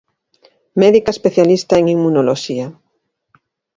Médica especialista en inmunoloxía.